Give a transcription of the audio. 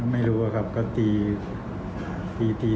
ไม่รู้ครับก็ตี